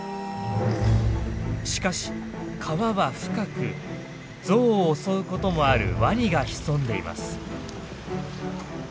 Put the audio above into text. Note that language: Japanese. しかし川は深くゾウを襲うこともあるワニが潜んでいます。